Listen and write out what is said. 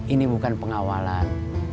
ini bukan pengawalan